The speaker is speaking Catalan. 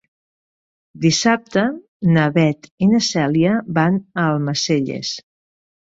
Dissabte na Beth i na Cèlia van a Almacelles.